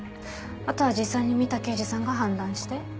あとは実際に見た刑事さんが判断して。